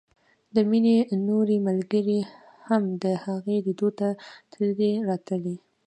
د مينې نورې ملګرې هم د هغې ليدلو ته تلې راتلې